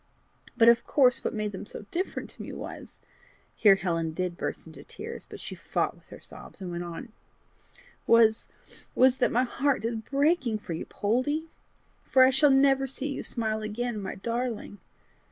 But of course what made them so different to me, was" here Helen did burst into tears, but she fought with her sobs, and went on "was was that my heart is breaking for you, Poldie for I shall never see you smile again, my darling!"